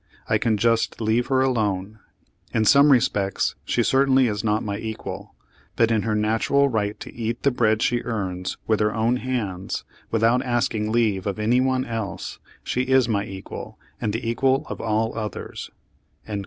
I can just leave her alone. In some respects she certainly is not my equal; but in her natural right to eat the bread she earns with her own hands, with out asking leave of any one else, she is my equal and the equal of all others."